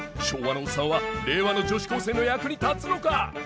昭和のオッサンは令和の女子高生の役に立つのか！？